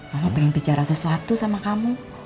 kamu pengen bicara sesuatu sama kamu